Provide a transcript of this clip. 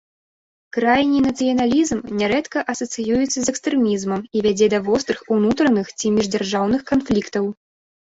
Крайні нацыяналізм нярэдка асацыюецца з экстрэмізмам і вядзе да вострых унутраных ці міждзяржаўных канфліктаў.